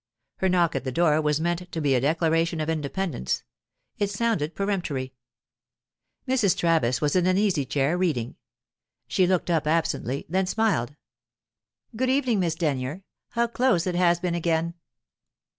Her knock at the door was meant to be a declaration of independence; it sounded peremptory. Mrs. Travis was in an easy chair, reading. She looked up absently; then smiled. "Good evening, Miss Denyer. How close it has been again!"